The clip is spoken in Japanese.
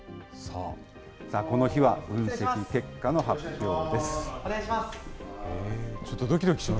この日は、分析結果の発表です。